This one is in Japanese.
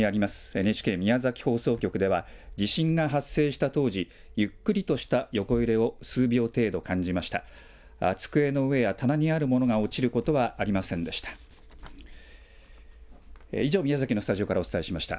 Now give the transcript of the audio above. ＮＨＫ宮崎放送局では、地震が発生した当時、ゆっくりとした横揺れを数秒程度感じました。